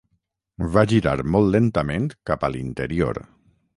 Va girar molt lentament cap a l'interior.